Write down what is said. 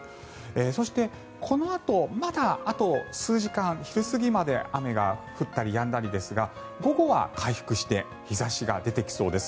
そして、このあとまだあと数時間、昼過ぎまで雨が降ったりやんだりですが午後は回復して日差しが出てきそうです。